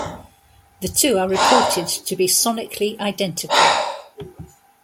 The two are reported to be sonically identical.